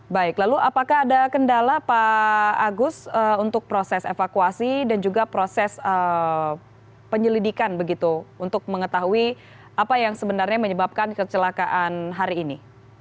baik lalu apakah ada kendala pak agus untuk proses evakuasi dan juga proses penyelidikan begitu untuk mengetahui apa yang sebenarnya menyebabkan kecelakaan hari ini